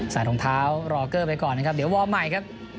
รองเท้ารอเกอร์ไปก่อนนะครับเดี๋ยววอร์ใหม่ครับ